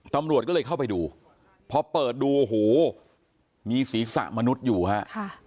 ตำรวจก็เลยเข้าไปดูพอเปิดดูโอ้โหมีศีรษะมนุษย์อยู่ฮะ